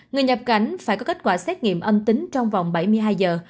người nhập cảnh phải có kết quả xét nghiệm âm tính trong vòng bảy mươi hai giờ